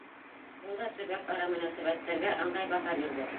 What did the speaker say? Ул да төбәк-ара мөнәсәбәттәргә ыңғай баһа бирҙе.